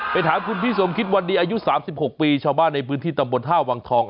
ถามคุณพี่สมคิดวันดีอายุ๓๖ปีชาวบ้านในพื้นที่ตำบลท่าวังทอง